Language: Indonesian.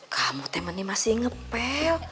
kamu temennya masih ngepel